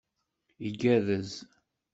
Igerrez!